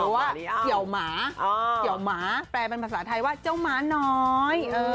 หรือว่าแต่ว่ามาแปลเป็นภาษาไทยว่าเจ้าม้าน้อย